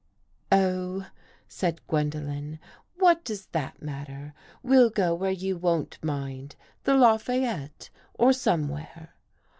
"Oh," said Gwendolen, "what does that mat ter? We'll go where you won't mind — the La fayette or somewhere."